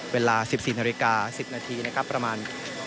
เวลา๑๔น๑๐นประมาณ